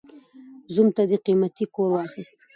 زوم ته دې قيمتي کور واخيست.